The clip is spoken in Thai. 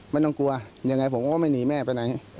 ไม่ต้องกลัวยังไงผมก็ไม่หนีแม่ไปไหน